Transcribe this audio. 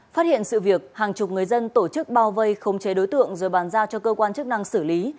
phát hiện sự việc hàng chục người dân tổ chức bao vây không chế đối tượng rồi bàn giao cho cơ quan chức năng xử lý